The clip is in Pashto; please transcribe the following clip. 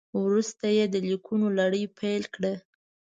وروسته یې د لیکونو لړۍ پیل کړه.